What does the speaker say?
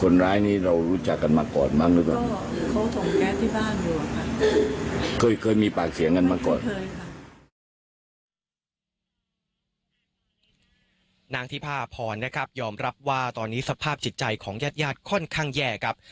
นางที่พาพรนะครับยอมรับว่าตอนนี้สภาพจิตใจของญาติญาติค่อนข้างแย่ครับ